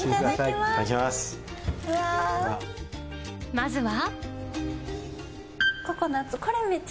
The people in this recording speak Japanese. まずは。